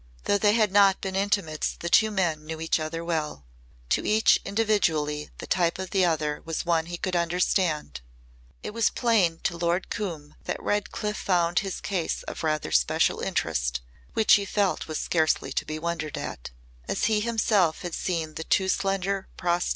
Though they had not been intimates the two men knew each other well. To each individually the type of the other was one he could understand. It was plain to Lord Coombe that Redcliff found his case of rather special interest, which he felt was scarcely to be wondered at.